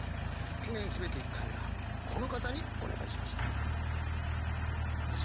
記念すべき１回目はこの方にお願いしました。